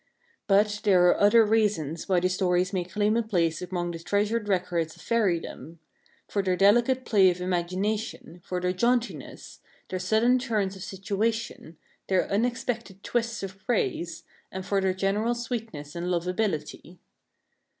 9 IO A WORD OF INTRODUCTION But there are other reasons why the stories may claim a place among the treasured records of faeriedom y — for their delicate play of imagination , for their jauntiness , their sudden turns of situation , their unexpected twists of phrase , and for their general sweetness and lovability